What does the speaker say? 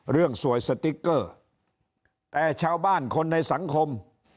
เรื่องสวยสติ๊กเกอร์แต่ชาวบ้านคนในสังคม